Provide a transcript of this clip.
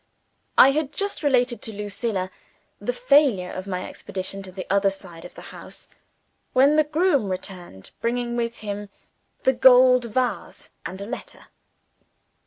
I had just related to Lucilla the failure of my expedition to the other side of the house, when the groom returned, bringing with him the gold vase, and a letter.